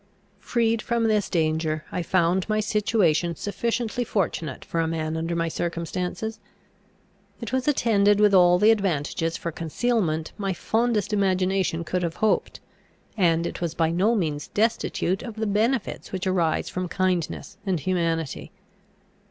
Freed from this danger, I found my situation sufficiently fortunate for a man under my circumstances. It was attended with all the advantages for concealment my fondest imagination could have hoped; and it was by no means destitute of the benefits which arise from kindness and humanity.